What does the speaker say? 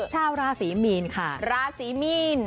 ชาวราศีมีนค่ะราศีมีน